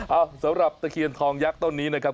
เอ้าสำหรับตะเคียนทองยักษ์ต้นนี้นะครับ